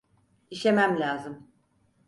İşemem lazım.